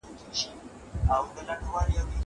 زه کولای سم ليک ولولم.